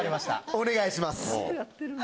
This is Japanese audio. お願いします。